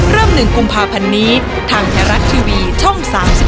เริ่ม๑กุมภาพันธ์นี้ทางไทยรัฐทีวีช่อง๓๒